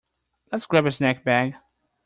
Let’s grab a snack bag.